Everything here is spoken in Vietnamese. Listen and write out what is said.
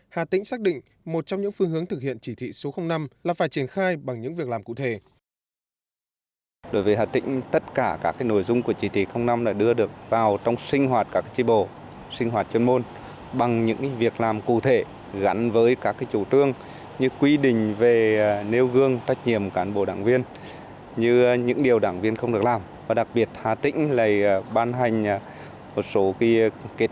hà tĩnh xác định một trong những phương hướng thực hiện chỉ thị số năm là phải triển khai bằng những việc làm cụ thể